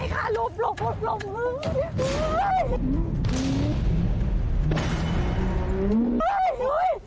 เอ้ยโอ๊ยใส่ต้น